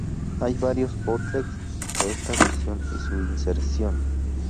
Hay varios bootlegs de esta versión y su inserción.